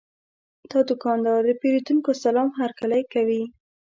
دا دوکاندار د پیرودونکو سلام هرکلی کوي.